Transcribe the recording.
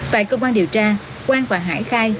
tại công an điều tra quang và hải khai